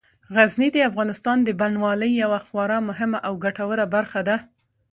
غزني د افغانستان د بڼوالۍ یوه خورا مهمه او ګټوره برخه ده.